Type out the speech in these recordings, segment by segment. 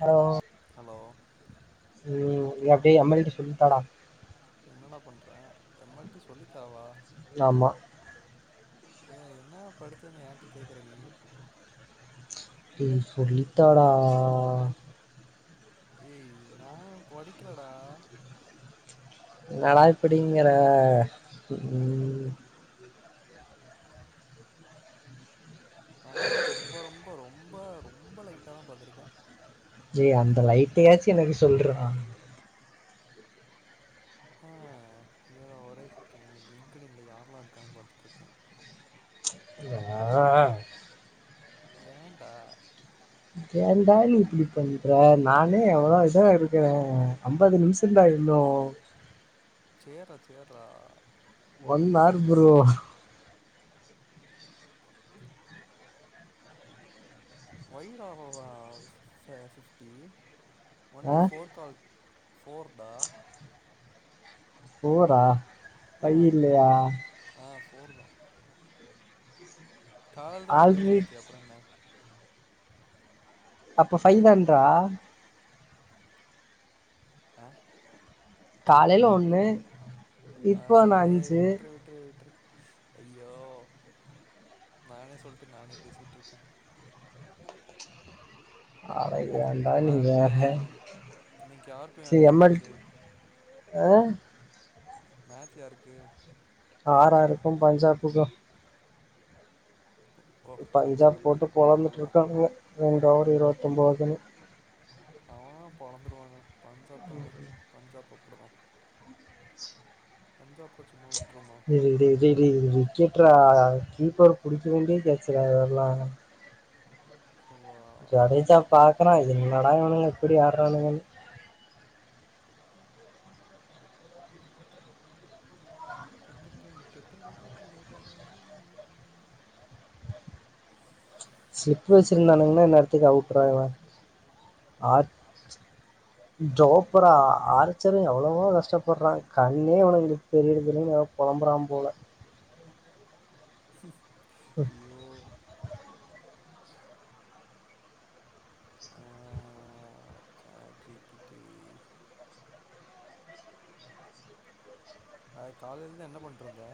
Hello hello டேய் அப்பிடியே M L T சொல்லித்தாடா என்னடா பண்ற எம் எல் டி சொல்லி தாவா ஆமா ஏ என்ன படிச்சேனு ஏன்ட்ட கேக்கற நீ ஏ சொல்லித்தடா ஏ நா படிக்கலடா என்னடா இப்பிடிங்கற உம் நானே ரொம்போ ரொம்போ ரொம்போ ரொம்போ லைட்டா தா பாத்திருக்கே ஏ அந்த லைட்டே யாச்சு எனக்கு சொல்றா ஆ இர்ரா ஒரே சேக்கேன்ட் லிங்கிட்டின் ல யாரெல்லா இருக்காணு பாத்துட்டு இருக்கே யா ஏன்டா ஏன்டா நீ இப்பிடி பண்ற நானே எவ்வளோ இதா இருக்கரே அம்பது நிமிஷந்தா தா இன்னு சேர்ரா சேர்ரா ஒன் ஹார் ப்ரோ ஒயிடா ஆவாவா ஆ ஃபிப்டி ஆ ஒன்லி ஃபோர் கால் ஃபோர்டா ஃபோரா ஃபைய் இல்லையா ஃபோர்தா காலல்த ஒண்ணு ஆல்ரெடி பேசியாச்சே அப்புறோ என்ன அப்ப ஃபைதன்றா ஆ காலைல காலையில வந்து ஒண்ணு பேசி அ இப்போ ஒன்னு ஏய் அஞ்சு விட்ரு விட்ரு விட்ரு ஐயோ நானே சொல்லிட்டு நானே பேசிட்டுருக்கே அட ஏன்டா அப்புற நீ வேற என்ன இன்னைக்கு யாருக்கும் சி யாருக்கு எம் எல் மேச்சு டி ஆ மேட்ச் யாருக்கு ஆர் ஆருக்கு பஞ்சாபுக்கு ஓ எ பஞ்சாப் பஞ்சாப்பு போட்டு பொலந்துட்டு அவ்வளதா இருக்காங்க ரெண்ட ஒவர் இருபத்தொன்பதுன்னு அவன பொழந்துருவாங்க பஞ்சாப் தான பஞ்சாப்பு அப்டி தா பஞ்சாப்ப சும்மாள் இருடி இருடி விக்கெட்டா கீப்பர் பிடிக்க வேண்டிய கச்சல்ல இதெல்லா சோ வா ஜடேஜா பாக்குறா என்னடா இவனுங்க இப்டி ஆடுறாங்கனு டட்டன் டெட்டட டெட்டட டா ஸ்லிப் வச்சுருந்தானுங்கன்னா இந்நேரத்துக்கு அவுட்றா இவன் ஆர் ஜோப்பரா அரச்சரும் எவ்ளவோ கஷ்டப்படுறான் கண்ணே அவனுகளுக்கு தெரியுரதுல்ல நல்ல புலம்புறான் போல ஐய்யோ அஹ் சாட் ஜி பிடி அய் காலேலலந்து என்ன பணட்ருந்த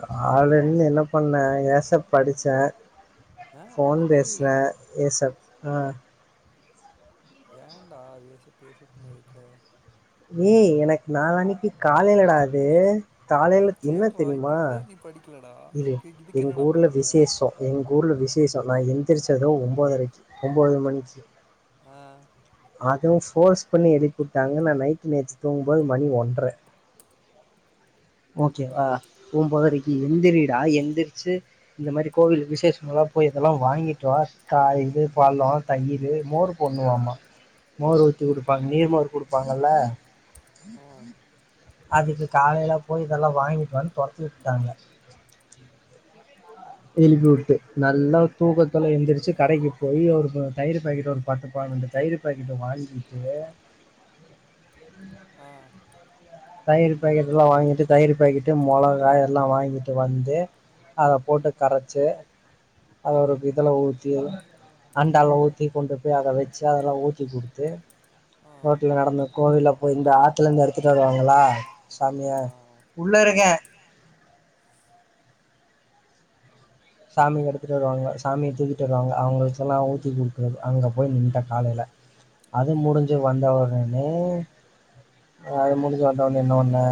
காலந்து என்ன பண்ணே ஏசப் படிச்சேன் ஆ ஃபோன் டேய் பேசுவே ஏசப் அ ஏடா ஏசப் ஏசப்ன்னு இருக்க ஏய் எனக்கு நாளன்னைக்கு காலைல டா அது காலைல என்ன சேர்றா இப்ப தெரியுமா இதே நீ படிக்கலடா இரு இப்ப இதுக்கு எங்க என்னடா ஊர்ல பண்ணுவ விசேஷொம் எங்க ஊர்ல விசேஷ் நா நா எந்திரச்சது ஒன்பதரைக்கு ஒன்பது மணிக்கு அ அதுவும் ஃபோர்ஸ் பண்ணி எழுப்பி வுட்டாங்க நா நைட்டு நேற்று தூங்கும்போது மணி ஒன்ற ஓகே வா ம் போம் போத ரீ எந்திரிடா எந்திரிச்சு இந்த மாரி கோவில் விசேஷம் எல்லாம் போய் இதெல்லாம் வாங்கிட்டு வா காலேல இத் பழொ தயிரு மோர் பொண்ணுவாம மோர் ஊத்தி குடுப்பாங்க நீர்மோர் குடுப்பாங்கல்ல ஆ அதுக்கு காலையில போய் இதெல்லா வாங்கிட்டு வானு துரத்தி விட்டுட்டாங்க எழுப்பி விட்டு நல்லா தூக்கத்துல எழுந்திரிச்சு கடைக்கு போய் ஒரு தயிர் பேக்கெட்டு ஒரு பத்து பான தயிர் பேக்கெட்ட வாங்கிட்டு ஆ தயிர் பேக்கெட் எல்லா வாங்கிட்டு தயிர் பேக்கெட்டு முளகா எல்லாம் வாங்கிட்டு வந்து அத போட்டு கரைச்சு அத ஒரு இதுல ஊத்தி அண்டால ஊத்தி கொண்டு போய் அத வச்சு அதெல்லா ஊத்தி கொடுத்து ஆ ரோட்டுல நடந்த கோவில போய் இந்த ஆற்றுல இருந்து எடுத்துட்டு வருவாங்க ா சாமியா ஆ உள்ள ஆ இருக்க சாமிக்கு எடுத்துகட்டு வருவாங்க சாமிய தூக்கிட்டு வருவாங்க அவங்களுக்கல்லாம் ஊத்தி கொடுக்குறது அங்கே போய் நின்ட்ட காலையில அது ஓகே முடிஞ்சு வந்தவுடனே ஒ அது முடிஞ்சு வந்த ஒடனே என்ன பண்ணே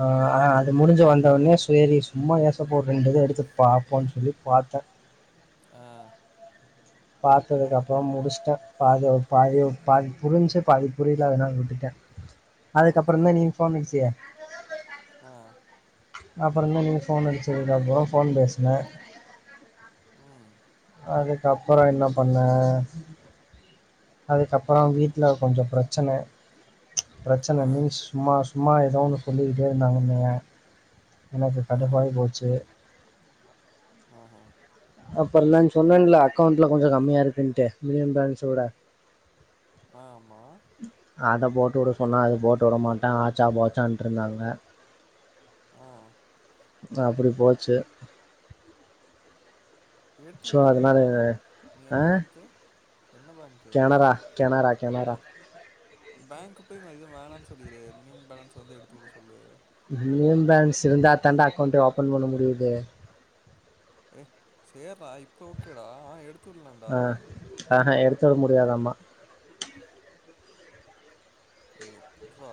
ஆ அ அது முடிஞ்ச் வந்தவுடனே செரி சும்மா ஏசப்ப ரெண்டு இது எடுத்துட்டு பாப்போம்ன்னு சொல்லி பா த்த ஆ பாத்ததுக்கு அப்புறோ முடிச்ட்ட அது பாதி பாதி புரிஞ்சி பாதி புரியல அதனால விட்டுட்ட அதுக்கப்புறோ ஓகே தா நீ இன்ஃபார்மிச்சிய ஆ அப்புறோ தா நீங்க போன் அடிச்சதுக்காப்புறோ போன் பேசுன ம் அதுக்கப்புறோ என்ன பண்ண அதுக்கப்புறோ வீட்டுல கொஞ்சோ பிரச்சன பிரச்சன ஆ மீன்ஸ் சும்மா சும்மா ஏதோன்னு சொல்லிக்கிட்டே இருந்தாங்கன்னையே எனக்கு ஆ கடுப்பாய் போச்சி ஆஹா அப்றோ நா சொன்னேன்ல அக்கௌண்ட்ல கொஞ்சோ கம்மியாருக்குன்ட்டு மினிமம் பேன்ஸோட ஆமா அத போட்டுட சொன்னா அது போட்டுவுட மாட்டுது அ ஆச்சா போச்சான்ட்டு இருந்தாங்க அ தா அப்டி போச்சி எடுத்து உட்ர்றா நீ என்ன பேங்க்கு என்ன பேங்க்கு கெனாரா கெனாரா கெனாரா பேங்க்கு போய் எதும் வேணான்னு சொல்லிடு மினிமம் பேலன்ஸ் வந்து எடுத்துக்குடுக்க சொல்லு உள்ளே பேலன்ஸ் இருந்தா தாண்டா அக்கௌண்ட்டு ஓபன் பண்ண முடியுது ஏ சேர்டா இப்ப ஓகேடா எடுத் ஆ ஆஹா எடுத்துவர முடியாதாமா இது எப்புர்றா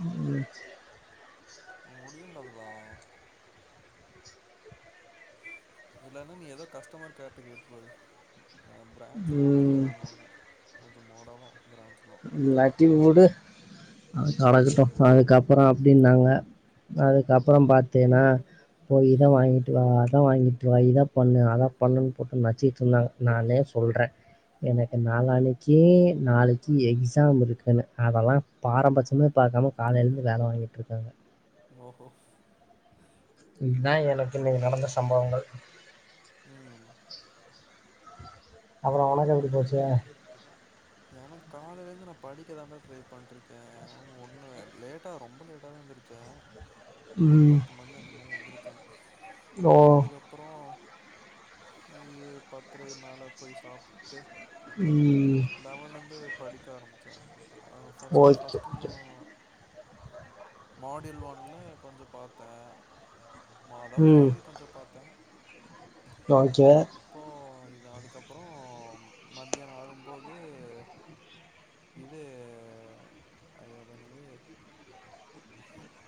ம் செர் அ முடியும்டா அதுலா இல்லன்னா நீ ஏதோ கஸ்டமர்கேர்ட கேட்டுக்கு நீ போரு அ பிரான்ச்செல்லா அப்பிடி தா ம், பண்ணுவாங்க கொஞ்சோ மோடவா இல்லாட்டி விடு கடக்கட்டு அதுக்கப்பறோ அப்டின்னாங்க அதுக்குப்பறோ பாத்தேனா போய் இத வாங்கிட்டு வா அதா வாங்கிட்டு வா இதா பண்ணு அதா பண்ணுன்னு போட்டு நச்சிக்கிட்டு இருந்தாங்க நானே சொல்றே எனக்கு நாளனைக்கி நாளைக் எக்ஸாமிருக்கன்னு அதெல்லா பாரம்பட்சமே பாக்காம காலையிலருந்து வேல வாங்கிட்டுருக்காங்க ஓ ஹோ இதுதா எனக்கு இன்னிக்கி நடந்த சம்பவங்கள் ம் அப்பறோ உனக்கு எப்பிடி போச்சு எனக்கு காலேருந்து நா படிக்க தாண்டா ட்ரை பண்ணிருக்கே ஒண்ணு லேட்டா ரொம்ப லேட்டா தா எந்திச்ச ஒரு ம் பத்து மணி அந்த மாரி எந்திருச்சே ஓ அதுக்கப்பறோ ஒரு பத்தரைய் மேல போய் சாப்புட்டுட்டு ம் லெவல்லருந்து படிக்க ஆரம்மிச்சே அ ஃபர்ஸ்ட் ஓகே ஃபர்ஸ்ட் மு ஓகே மாடில் ஒன்ல கொஞ்சோ பாத்த மாதாவ் ம் தீயறி கொஞ்சோ பாத்த ஓகே அப்போ இது அதுக்கப்பறோ மத்தியானாகு போது இது ஐய்யோ அது என்னது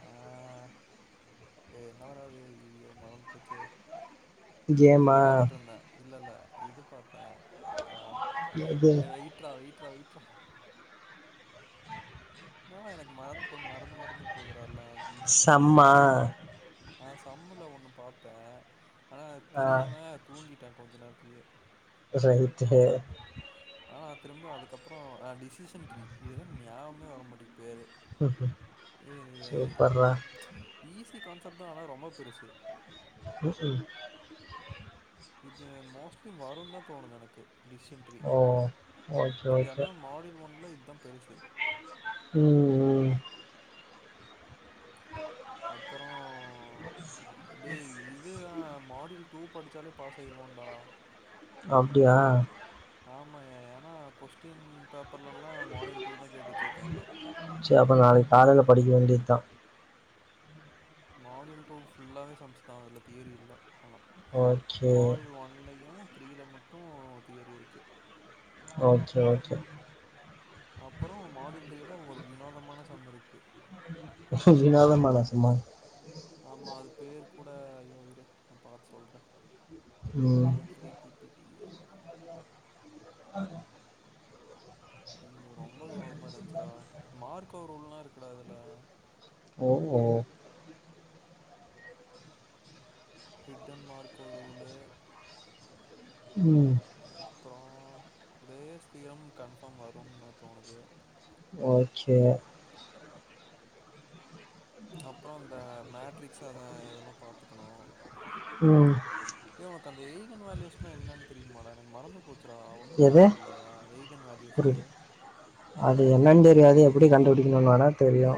ஆ ஏ என்ன வராது ஐய்யோ மறந்து போச்சே இது கேமா பாத்துட்டுருந்தே இல்ல இல்ல இது பாத் எது ஏ வெய்ட்ரா வெய்ட்ரா வெய்ட்ரா என்னடா எனக்கு மறந்து போ மறந்து மறந்து போதுடா எல்லா செம்மா திசியாக ஆ சம்ள ஒன்னு பாத்தே ஆனா அது ஆ புரியாம தூங்கிட்டே கொஞ்ச நேரத்திலேயே [unintelligible] ஆனா திரும்பியு அதுக்கப்பறொ அ டிசிஷன்ட்ரீ இதுதா நியாபகமே வர மாட்டிக்கு பேரு சூப்பர்ரா [unintelligible] ஈஸி கான்செப்ட்தா ஆனா ரொம்பா பெருசு [inaudible] இதுல மோஸ்ட்லி வருன்தா தோணுது எனக்கு டிஸ்ஸன்ட்ரி ஓ ஓகே ஓகே ஏன்னா மாடில் ஒன்ல இதா பெருசு ம் ம் அப்பறோ டேய் இதுதா மாடியல் டூ படிச்சாலே பாஸ் ஆயிருவோன்டா அப்டியா ஆமாயா ஏன்னா கொஸ்டின் பேப் செர் அப்ப நாளைக் காலைல படிக்க வேண்டியதுதா மாடியூல் டூ ஃபுல்லாவே சம்ஸ்தா அதுல தியரி இல்ல ஆனா ஓகே மாடியல் ஒன்லயு த்ரீல மட்டு தியரி இருக்கு ஓகே ஓகே அப்பறோ மாடுல் திரில ஒரு வினோதமான சம் இருக்கு எ [unintelligible] மான சம்மா ஆமா அது பேரு கூட ஐயோ இரு நா பாத்துசொல்றே ம் மாடி பை த்ரீ பி பி டி அதுக் ஒ ரொம்ப வினோதமா இருந்துச்சுடா மார்க்கொருல்லா இருக்கூடாதுல ஓ ஒ ஹிட்டன்மார்க் ஒரு ரூலு ம் அப்பறோ பேர்ஸ் தியரம் கன்ஃபார்ம் வருனு தோணுது ஓகே அப்பறோ அந்த மேட்ரிக்ஸ் அத இதெல்லாம் பாத்துக்கணு ம் ஏ உனக்கு அந்த ஏய்கன் வேல்யூஸ்லா என்னன்னு தெரியுமாடா எனக்கு மறந்து போச் எது வேல்யூஸு புரில அது என்னன் தெரியாது எப்டி கண்டுபிடி க்கணு வேணா தெரியு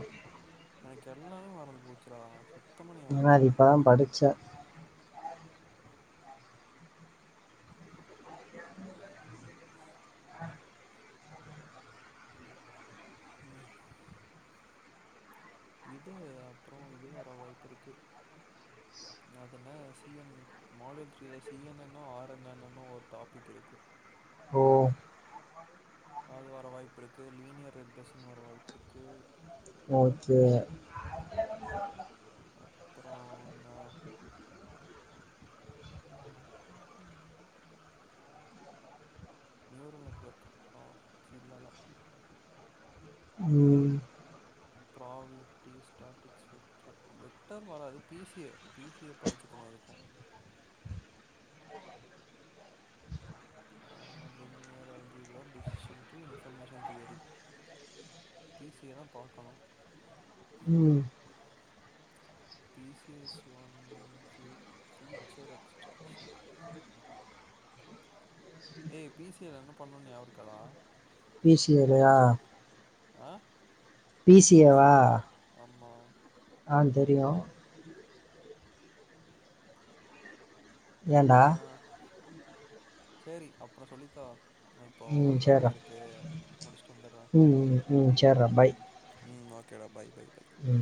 எனக்கெல்லாமே மறந்து போச்சுடா சுத்தமா ஞாபகம் ஏன்னா இல்ல அது இப்பதா படிச்சே ம் இது அப்றோ இது வர வாய்ப்புருக்கு அதன்ன சி என் மாடியூல் த்ரீல சி என் என்னோ ஆர் என் என்னோ னு ஒரு டாபிக் இருக்கு ஓ அது வர வாய்ப்பிருக்கு லீனியர் ரெக்ட்ரசன் வர வாய்ப்புருக்கு ஓகே அப்பறோ என்ன [inaudible] நியூரல் நெட்வர்க் ஆ [unintelligible] ம் ப்ராபிளிட்டி ஸ்ட்ராட்டிக்ஸ் விக்டர் வராது B C A B C A படிச்சுக்கணு அதுக்கு ஆ linear algebra டிஷிஸன்ட்ரி information theory B C A தா பாக்கணு ம் பி சி எஸ் ஒன் ஃபியூ future extraction A B C L என்ன பண்ணு நியாவ இருக்காடா பி சி எல் லையா ஆ பி சி ஏ வா அம்மா ஆ தெரியு ஏண்டா ஆ சேரி அப்றோ சொல்லித்தா நா இப்போ ம் ஒரு வேல சேர்றா இருக்கு முடிச்சுட்டு வந்துட்றே ம் ம் சேர்றா பாய் ம் ஓகேடா பாய் பாய் பாய் ம்.